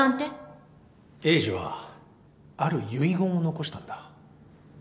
栄治はある遺言を残したんだ。